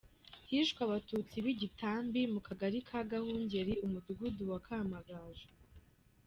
Hishwe Abatutsi b’i Gitambi mu Kagali ka Gahungeri Umudugudu wa Kamagaju.